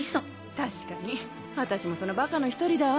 確かに私もそのバカの１人だわ。